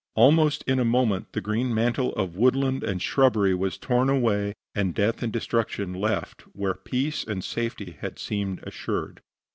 Almost in a moment the green mantle of woodland and shrubbery was torn away and death and destruction left where peace and safety had seemed assured.